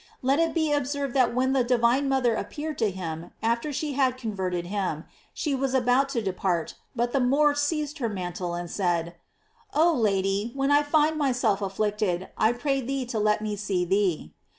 Let it be observed that when the divine mother appeared to him, af ter she had con verted him, she was about to depart, but the Moor seized her mantle, saying : "Oh Lady, when I find myself afflicted, I pray thee to let me see thee."